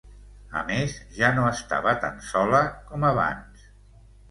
A més, ja no estava tan sola com abans.